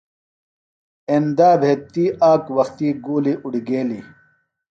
ایندا بھےۡ تی آک وختی گُولیۡ اُڑیگیلیۡ۔